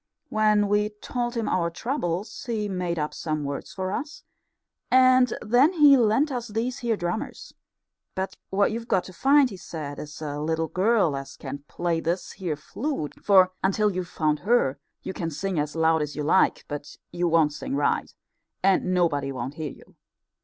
When we'd told him our troubles, he made up some words for us, and then he lent us these here drummers. But what you've got to find, he said, is a little girl as can play this here flute, for until you've found her you can sing as loud as you like, but you won't sing right, and nobody won't hear you.